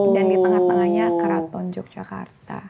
dan di tengah tengahnya keraton jogjakarta